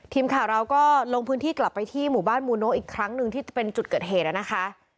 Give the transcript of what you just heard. ทีมข่าวเราก็ลงพื้นที่กลับไปที่หมู่บ้านมูโน้อีกครั้งหนึ่งที่เป็นจุดเกิดเหตุนะคะ